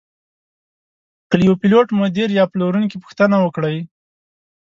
که له یوه پیلوټ، مدیر یا پلورونکي پوښتنه وکړئ.